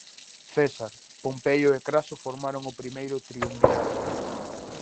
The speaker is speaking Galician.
César, Pompeio e Craso formaron o primeiro triunvirato.